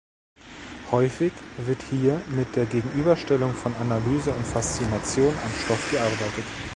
Häufig wird hier mit der Gegenüberstellung von Analyse und Faszination am Stoff gearbeitet.